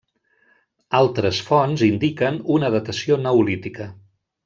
Altres fonts indiquen una datació neolítica.